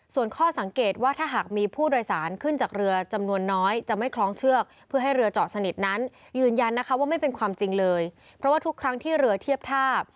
ส่วนข้อสังเกตว่าถ้าหากมีผู้โดยสารขึ้นจากเรือจำนวนน้อยจะไม่คล้องเชือกเพื่อให้เรือจอดสนิทนั้นยืนยันนะคะว่าไม่เป็นความจริงเลยเพราะว่าทุกครั้งที่เรือเทียบท่า